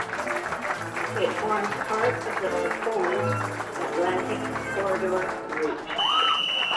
It forms part of the proposed Atlantic Corridor route.